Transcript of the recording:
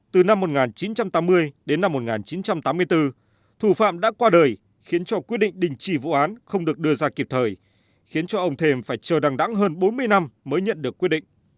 từ năm một nghìn chín trăm tám mươi đến năm một nghìn chín trăm tám mươi bốn thủ phạm đã qua đời khiến cho quyết định đình chỉ vụ án không được đưa ra kịp thời khiến cho ông thêm phải chờ đằng đẳng hơn bốn mươi năm mới nhận được quyết định